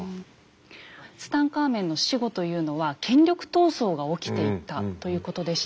ツタンカーメンの死後というのは権力闘争が起きていたということでした。